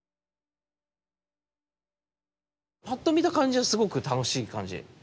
パッと見た感じはすごく楽しい感じ。